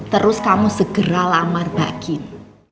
terus kamu segera lamar mbak kim